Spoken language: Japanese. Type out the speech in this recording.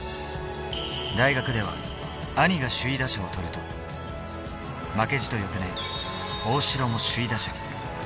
大学では兄が首位打者を取ると、負けじと翌年、大城も首位打者。